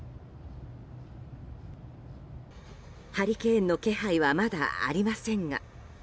ハリケーンの気配はまだありませんが。